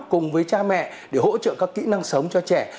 cùng với cha mẹ để hỗ trợ các kỹ năng sống cho trẻ